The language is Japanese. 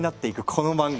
この漫画。